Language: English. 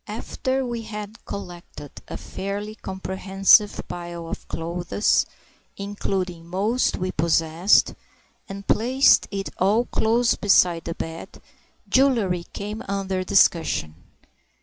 After we had collected a fairly comprehensive pile of clothes—including most we possessed—and placed it all close beside the bed, jewellery came under discussion.